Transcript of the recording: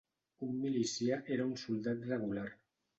Un milicià era un soldat regular